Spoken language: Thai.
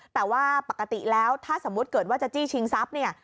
แต่ว่าปกติแล้วถ้าสมมุติเกิดว่าจะจี้ชิงทรัพย์เนี่ย